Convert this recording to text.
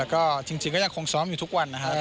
ก็จริงก็ยังคงซ้อมอยู่ทุกวันนะครับ